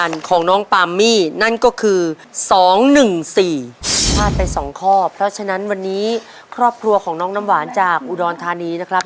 ยายจะเอาไปต่อลมหายใจตรงไหนก่อนครับ